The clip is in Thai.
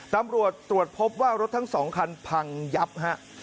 ตำรวจตรวจพบว่ารถทั้ง๒คันพังยับฮะ